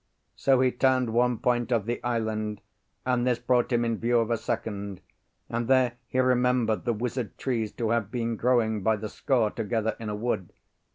So he turned one point of the island, and this brought him in view of a second; and there he remembered the wizard trees to have been growing by the score together in a wood.